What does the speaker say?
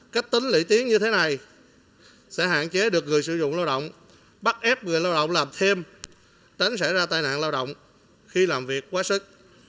cách tính lưỡi tiến như thế này sẽ hạn chế được người sử dụng lao động bắt ép người lao động làm thêm tránh xảy ra tai nạn lao động khi làm việc quá sức